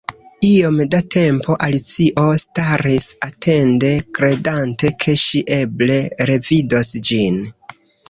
Iom da tempo Alicio staris atende, kredante ke ŝi eble revidos ĝin.